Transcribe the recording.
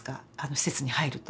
施設に入ると。